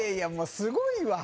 すごいわ。